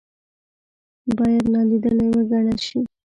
باید نا لیدلې وګڼل شي.